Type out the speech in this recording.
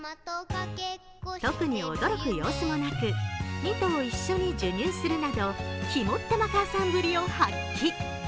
特に驚く様子もなく、２頭一緒に授乳するなど肝っ玉母さんぶりを発揮。